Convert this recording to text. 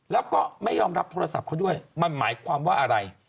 แล้วก็ไม่ยอมรับโทรศัพท์เขาด้วยมันหมายความว่าอะไร